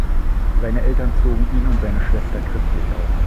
Seine Eltern zogen ihn und seine Schwester christlich auf.